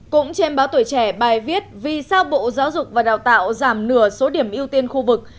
cũng trên báo tuổi trẻ bài viết vì sao bộ giáo dục và đào tạo giảm nửa số điểm ưu tiên khu vực